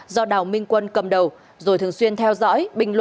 do đào minh quân cầm đầu rồi thường xuyên theo dõi